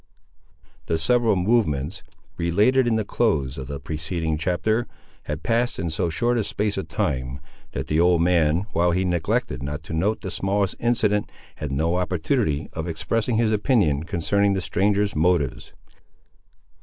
The several movements, related in the close of the preceding chapter, had passed in so short a space of time, that the old man, while he neglected not to note the smallest incident, had no opportunity of expressing his opinion concerning the stranger's motives.